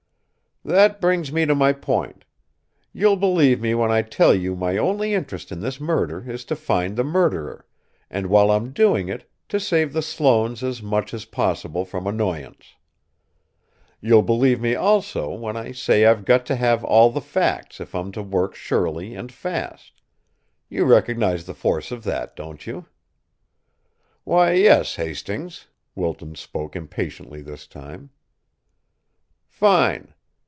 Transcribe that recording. "That brings me to my point. You'll believe me when I tell you my only interest in this murder is to find the murderer, and, while I'm doing it, to save the Sloanes as much as possible from annoyance. You'll believe me, also, when I say I've got to have all the facts if I'm to work surely and fast. You recognize the force of that, don't you?" "Why, yes, Hastings." Wilton spoke impatiently this time. "Fine!"